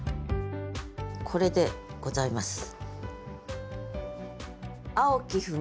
これでございます。